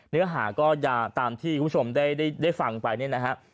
เนื้อหาก็ยาตามที่คุณผู้ชมได้ฟังไปเนี่ยนะฮะ